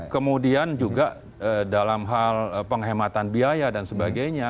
kemudian juga dalam hal penghematan biaya dan sebagainya